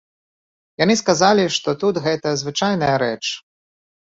Яны сказалі, што тут гэта звычайная рэч.